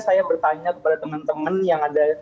saya bertanya kepada teman teman yang ada